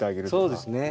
そうですね。